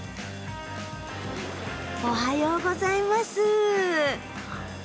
おはようございます。